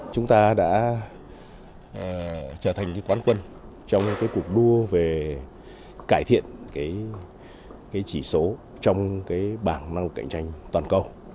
chúng ta đã trở thành quán quân trong cuộc đua về cải thiện chỉ số trong bảng năng lực cạnh tranh toàn cầu